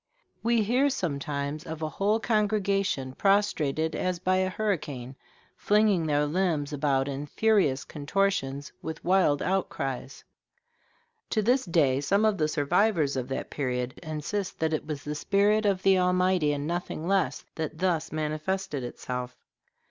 We hear sometimes of a whole congregation prostrated as by a hurricane, flinging their limbs about in furious contortions, with wild outcries. To this day some of the survivors of that period insist that it was the spirit of the Almighty, and nothing less, that thus manifested itself.